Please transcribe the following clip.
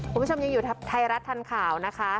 คุณผู้ชมยังอยู่ไทยรัฐทันข่าวนะคะ